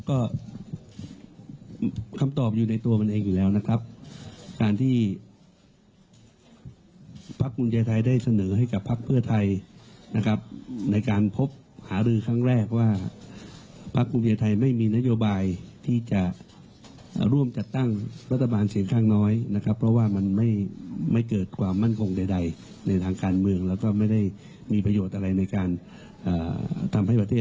ก็คำตอบอยู่ในตัวมันเองอยู่แล้วนะครับการที่พักภูมิใจไทยได้เสนอให้กับพักเพื่อไทยนะครับในการพบหารือครั้งแรกว่าพักภูมิใจไทยไม่มีนโยบายที่จะร่วมจัดตั้งรัฐบาลเสียงข้างน้อยนะครับเพราะว่ามันไม่เกิดความมั่นคงใดในทางการเมืองแล้วก็ไม่ได้มีประโยชน์อะไรในการทำให้ประเทศ